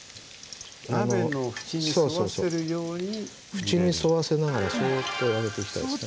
縁に沿わせながらそっと揚げていきたいですね。